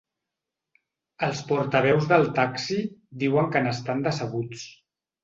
Els portaveus del taxi diuen que n’estan decebuts.